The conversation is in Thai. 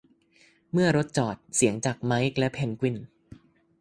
เมื่อรถจอด เสียงจากไมค์และเพนกวิน